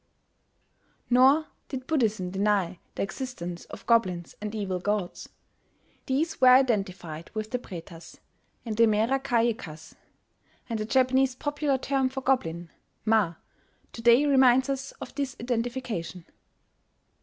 Nor did Buddhism deny the existence of goblins and evil gods: these were identified with the Pretas and the Merakayikas; and the Japanese popular term for goblin, Ma, to day reminds us of this identification.